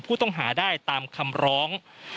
ผู้ต้องหาได้ตามคำร้อง